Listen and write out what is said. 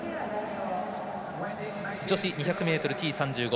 女子２００ｍＴ３５